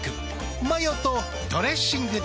マヨとドレッシングで。